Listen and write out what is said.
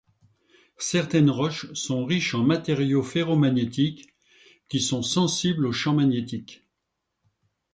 Certaines roches sont riches en matériaux ferromagnétiques, qui sont sensibles au champ magnétique.